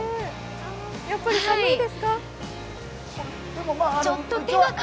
やっぱり寒いですか？